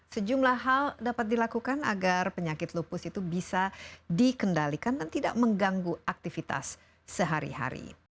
sejumlah hal dapat dilakukan agar penyakit lupus itu bisa dikendalikan dan tidak mengganggu aktivitas sehari hari